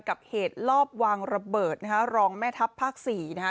กับเหตุลอบวางระเบิดนะฮะรองแม่ทัพภาคสี่นะฮะ